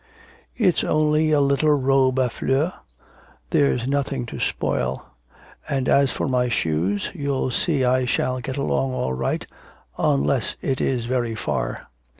'It is only a little robe a fleurs, there's nothing to spoil, and as for my shoes, you'll see I shall get along all right, unless it is very far.'